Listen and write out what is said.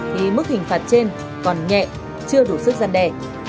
thì mức hình phạt trên còn nhẹ chưa đủ sức giăn đẻ